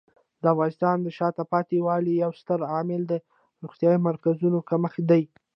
د افغانستان د شاته پاتې والي یو ستر عامل د روغتیايي مرکزونو کمښت دی.